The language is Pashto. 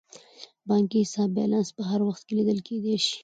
د بانکي حساب بیلانس په هر وخت کې لیدل کیدی شي.